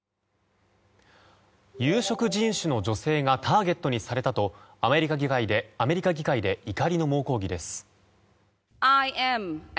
有色人種の女性がターゲットにされたとアメリカ議会で怒りの猛抗議です。